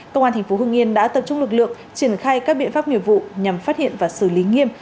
công an thành phố hưng yên đã tập trung lực lượng triển khai các biện pháp nghiệp vụ nhằm phát hiện và xử lý nghiêm